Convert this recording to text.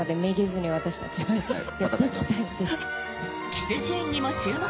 キスシーンにも注目。